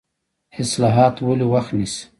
اصلاحات ولې وخت نیسي؟